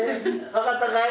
分かったかい？